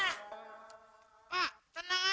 ya betul juga